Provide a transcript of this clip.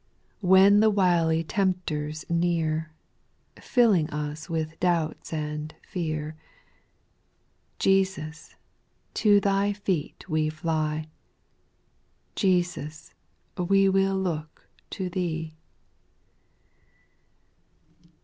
2S When the wily tempter's near, Filling us with doubts and fear, Jesus, to Thy feet we flee, Jesus, we will look to Thee.